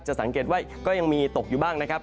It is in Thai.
สังเกตว่าก็ยังมีตกอยู่บ้างนะครับ